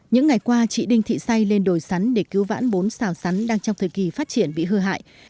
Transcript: những ngày qua chị đinh thị say lên đồi sắn để cứu vãn bốn xào sắn đang trong thời kỳ phát triển bị hư hại